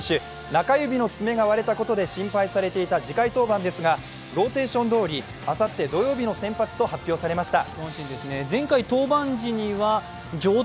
中指の爪が割れたことで心配されていた次回登板ですがローテーションどおりあさって土曜日の先発と発表されました。